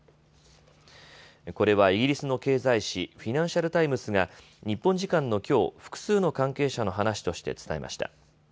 これはイギリスの経済紙、フィナンシャル・タイムズが日本時間のきょう複数の関係者の話として伝えました。